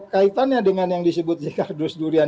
kaitannya dengan yang disebut zikardus durian